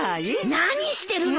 ・何してるの！？